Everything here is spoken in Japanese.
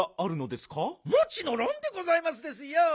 もちのろんでございますですよ！